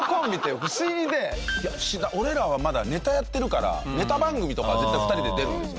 俺らはまだネタやってるからネタ番組とかは絶対２人で出るんですよね。